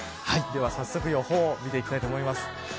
早速予報を見ていきたいと思います。